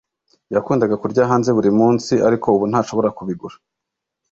Yakundaga kurya hanze buri munsi ariko ubu ntashobora kubigura